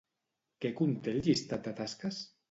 Què conté el llistat de tasques?